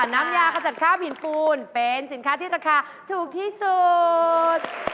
น้ำยาขจัดข้าวผินปูนเป็นสินค้าที่ราคาถูกที่สุด